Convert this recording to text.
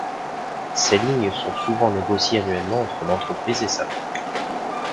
Ces lignes sont souvent négociées annuellement entre l'entreprise et sa banque.